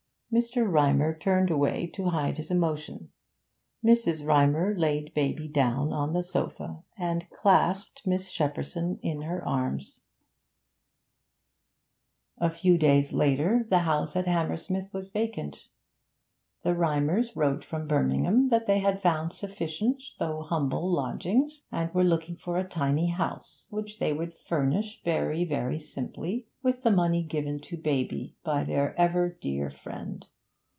Mr. Rymer turned away to hide his emotion. Mrs. Rymer laid baby down on the sofa, and clasped Miss Shepperson in her arms. A few days later the house at Hammersmith was vacant. The Rymers wrote from Birmingham that they had found sufficient, though humble, lodgings, and were looking for a tiny house, which they would furnish very, very simply with the money given to baby by their ever dear friend.